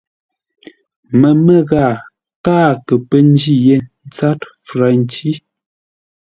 Məmə́ ghaa káa kə pə́ ńjí yé tsâr fərə́nci.